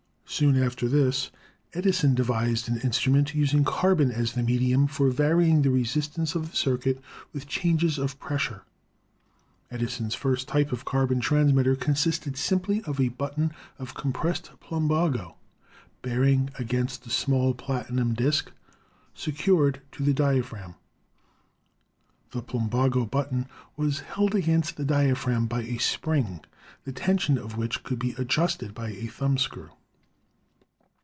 Soon after this Edison devised an instrument using carbon as the medium for varying the resistance of the circuit with changes of pressure. Edison's first type of carbon transmitter consisted simply of a button of com pressed plumbago bearing against a small platinum disk secured to the diaphragm. The plumbago button was held against the diaphragm by a spring, the tension of which could be adjusted by a thumbscrew.